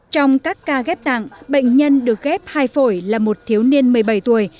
trong các ca ghép tạng bệnh nhân được ghép hai phổi là một thiếu niên một mươi bảy tuổi